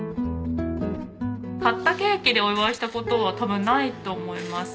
買ったケーキでお祝いした事は多分ないと思います。